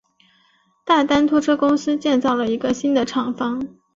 大丹拖车公司建造了一个新的厂房。